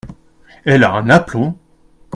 Elle a un aplomb !…